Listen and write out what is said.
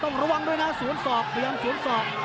ระวังด้วยนะสวนศอกพยายามสวนศอก